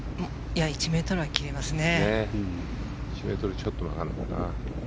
１ｍは切りますね。